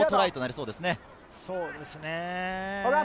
そうですね。